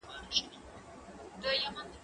زه له سهاره سينه سپين کوم؟